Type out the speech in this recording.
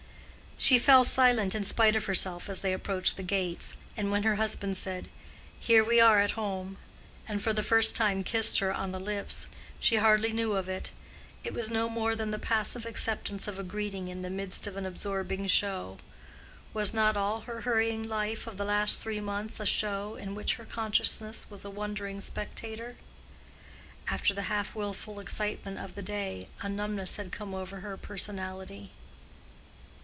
She fell silent in spite of herself as they approached the gates, and when her husband said, "Here we are at home!" and for the first time kissed her on the lips, she hardly knew of it: it was no more than the passive acceptance of a greeting in the midst of an absorbing show. Was not all her hurrying life of the last three months a show, in which her consciousness was a wondering spectator? After the half willful excitement of the day, a numbness had come over her personality.